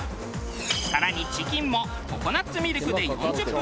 更にチキンもココナッツミルクで４０分